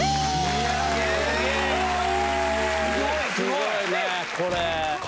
いや、すごいね、これ。